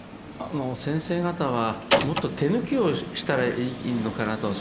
先生方はもっと手抜きをしたらいいのかなと。